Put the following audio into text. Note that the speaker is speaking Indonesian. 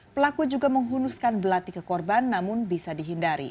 pelaku juga menghunuskan belati ke korban namun bisa dihindari